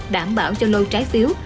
đảm bảo cho lôi trái phiếu